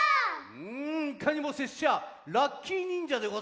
うんいかにもせっしゃラッキィにんじゃでござる。